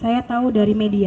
saya tahu dari media